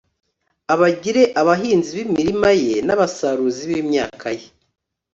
abagire abahinzi b'imirima ye n'abasaruzi b'imyaka ye